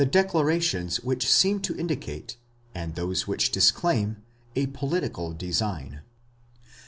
declarations which seem to indicate, and those which disclaim, a political design.